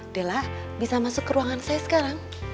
della bisa masuk ke ruangan saya sekarang